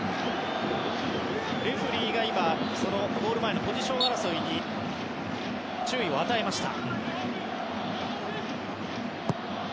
レフェリーがゴール前のポジション争いに注意を与えました。